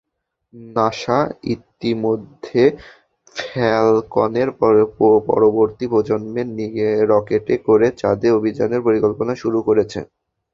NASA ইতিমধ্যে ফ্যালকনের পরবর্তী প্রজন্মের রকেটে করে চাঁদে অভিযানের পরিকল্পনা শুরু করেছে।